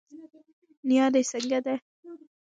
نيا دي څنګه ده